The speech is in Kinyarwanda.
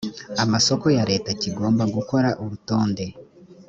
amasoko ya leta kigomba gukora urutonde